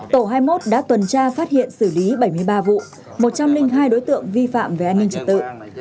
tổ hai mươi một đã tuần tra phát hiện xử lý bảy mươi ba vụ một trăm linh hai đối tượng vi phạm về an ninh trật tự